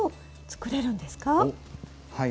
はい。